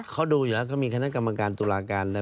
เขาดูอยู่แล้วเขามีคณะกรรมการตุลาการ